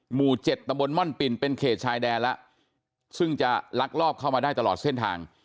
หมู่เจ็ดตำบลม่อนปิ่นเป็นเขตชายแดนแล้วซึ่งจะลักลอบเข้ามาได้ตลอดเส้นทาง